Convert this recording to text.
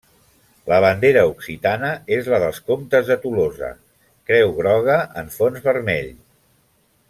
La bandera occitana és la dels comtes de Tolosa: creu groga en fons vermell.